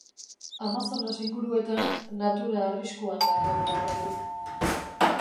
Amazonas inguruetan, natura arriskuan dago gaur egun.